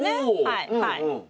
はいはい。